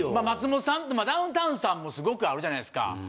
松本さんダウンタウンさんもすごくあるじゃないですか。